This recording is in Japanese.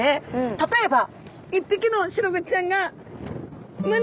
例えば１匹のシログチちゃんが無念！